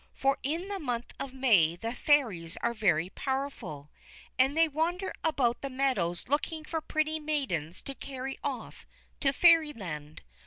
For in the month of May the Fairies are very powerful, and they wander about the meadows looking for pretty maidens to carry off to Fairyland.